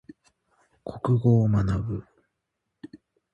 国語を学ぶ。